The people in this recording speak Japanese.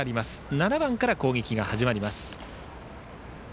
７番から攻撃が始まります。